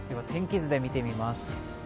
天気図で見てみます。